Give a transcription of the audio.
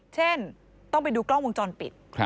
เช่นต้องไปดูกล้องวงจรปิด